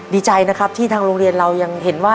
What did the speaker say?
ดีใจนะครับที่ทางโรงเรียนเรายังเห็นว่า